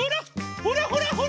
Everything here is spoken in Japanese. ほらほらほら！